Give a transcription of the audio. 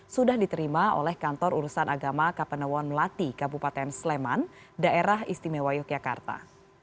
sudah diterima oleh kantor urusan agama kapanewon melati kabupaten sleman daerah istimewa yogyakarta